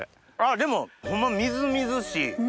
でもホンマみずみずしい。